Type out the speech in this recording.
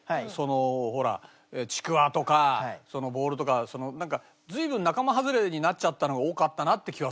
そのほらちくわとかボールとかなんか随分仲間外れになっちゃったのが多かったなって